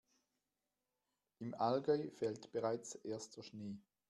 Im Allgäu fällt bereits erster Schnee.